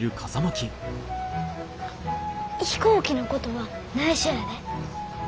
飛行機のことはないしょやで。